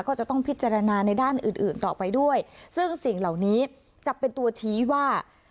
ก็จะต้องพิจารณาในด้านอื่นอื่นต่อไปด้วยซึ่งสิ่งเหล่านี้จะเป็นตัวชี้ว่า